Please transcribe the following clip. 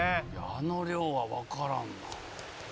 「あの量はわからんな」